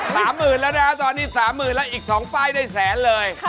สามหมื่นแล้วนะฮะตอนนี้สามหมื่นแล้วอีกสองป้ายได้แสนเลย